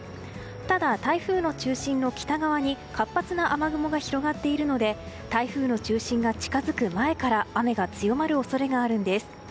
ただ、台風の中心の北側に活発な雨雲が広がっているので台風の中心が近づく前から雨が強まる恐れがあるんです。